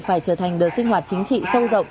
phải trở thành đợt sinh hoạt chính trị sâu rộng